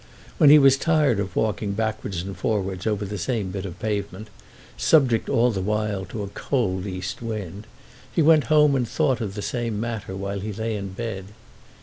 When he was tired of walking backwards and forwards over the same bit of pavement, subject all the while to a cold east wind, he went home and thought of the same matter while he lay in bed.